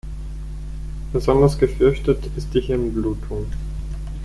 Besonders gefürchtet ist die Hirnblutung.